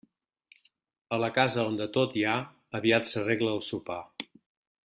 A la casa on de tot hi ha, aviat s'arregla el sopar.